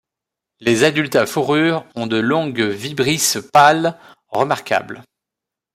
Les adultes à fourrure ont de longues vibrisses pâles remarquables.